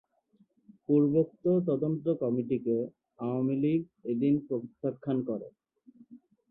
পূর্বোক্ত তদন্ত কমিটিকে আওয়ামী লীগ এদিন প্রত্যাখ্যান করে।